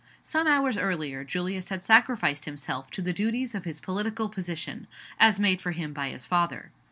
Some hours earlier, Julius had sacrificed himself to the duties of his political position as made for him by his father.